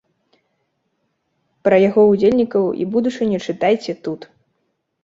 Пра яго ўдзельнікаў і будучыню чытайце тут!